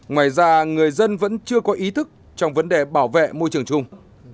ngoài ra người dân vẫn chưa có ý thức trong vấn đề bảo vệ môi trường chung